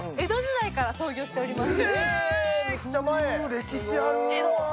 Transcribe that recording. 歴史ある。